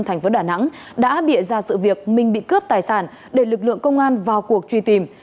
thành phố đà nẵng đã bịa ra sự việc minh bị cướp tài sản để lực lượng công an vào cuộc truy tìm